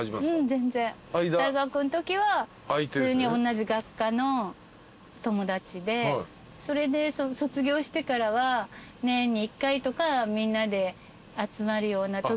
全然大学んときは普通におんなじ学科の友達でそれで卒業してからは年に１回とかみんなで集まるようなときの仲間でしたね。